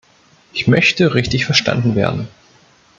Ich möchte richtig verstanden werden.